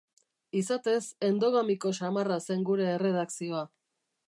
Izatez, endogamiko samarra zen gure erredakzioa.